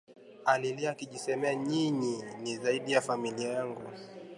alilia akijisemea, nyinyi ni zaidi ya familia yangu